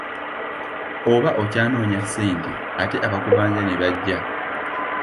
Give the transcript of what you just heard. Oba okyanoonya ssente ate abakubanja ne bajja.